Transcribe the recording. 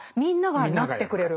みんながなってくれる。